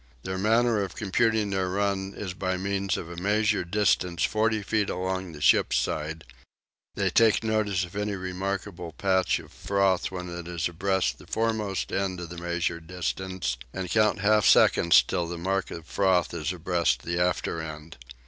Their manner of computing their run is by means of a measured distance of 40 feet along the ship's side: they take notice of any remarkable patch of froth when it is abreast the foremost end of the measured distance, and count half seconds till the mark of froth is abreast the after end.